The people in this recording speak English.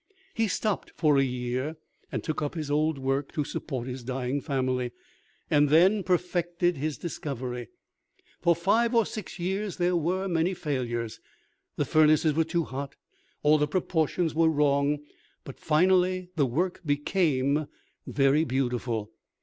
He stopped for a year, and took up his old work to support his dying family, and then perfected his discovery. For five or six years there were many failures, the furnaces were too hot, or the proportions were wrong; but finally the work became very beautiful.